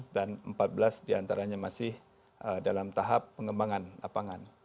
dan empat belas diantaranya masih dalam tahap pengembangan lapangan